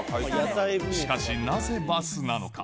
しかしなぜ、バスなのか。